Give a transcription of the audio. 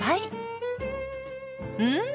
うん！